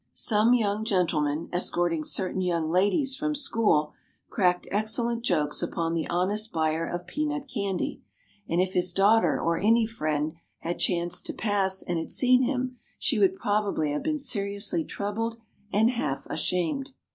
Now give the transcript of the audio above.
Some young gentlemen, escorting certain young ladies from school, cracked excellent jokes upon the honest buyer of peanut candy; and if his daughter or any friend had chanced to pass and had seen him, she would probably have been seriously troubled and half ashamed.